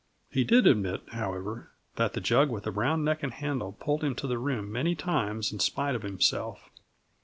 He did admit, however, that the jug with the brown neck and handle pulled him to the room many times in spite of himself.